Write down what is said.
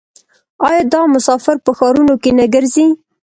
آیا دا مسافر په ښارونو کې نه ګرځي؟